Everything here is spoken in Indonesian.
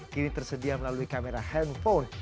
kini tersedia melalui kamera handphone